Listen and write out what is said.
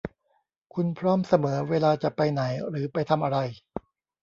คุณพร้อมเสมอเวลาจะไปไหนหรือไปทำอะไร